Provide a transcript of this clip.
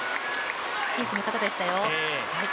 いい攻め方でしたよ。